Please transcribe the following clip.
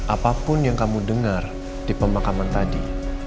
apapun yang kamu dengar di pemakaman tadi